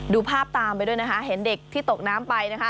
ดูภาพตามไปด้วยนะคะเห็นเด็กที่ตกน้ำไปนะคะ